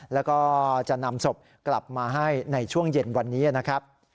แล้วก็จะนำศพกลับมาให้ในช่วงเย็นวันนี้นะครับ